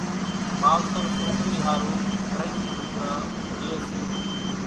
ماوتر سوڪري ۿارُو ترڃ لوڳڙان لئي سي